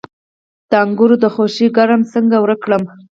د انګورو د خوشې کرم څنګه ورک کړم؟